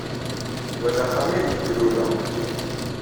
Wa d axxam aydeg d-luleɣ.